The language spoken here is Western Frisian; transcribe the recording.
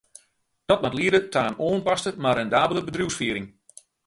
Dat moat liede ta in oanpaste, mar rendabele bedriuwsfiering.